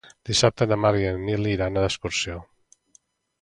Dissabte na Mar i en Nil iran d'excursió.